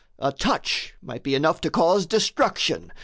A touch might be enough To cause destruction.